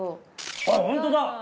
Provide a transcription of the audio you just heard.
あっホントだ！